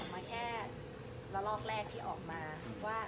เพราะว่าจริงถ้ามันออกมาแค่